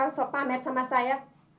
kenapa dulu aka sok pamer sama saya